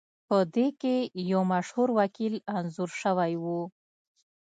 پدې کې یو مشهور وکیل انځور شوی و